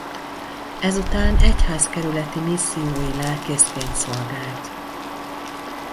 Ezután egyházkerületi missziói lelkészként szolgált.